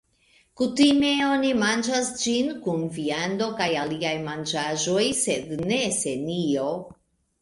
Kutime oni manĝas ĝin, kun viando kaj aliaj manĝaĵoj, sed ne sen io.